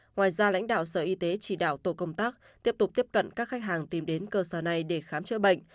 ngoài ra lãnh đạo sở y tế chỉ đạo tổ công tác tiếp tục tiếp cận các khách hàng tìm đến cơ sở này để khám chữa bệnh